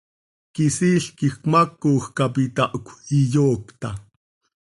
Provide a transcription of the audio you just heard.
Quisiil quij cmaacoj cap itahcö, iyoocta.